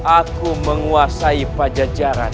aku menguasai pajajaran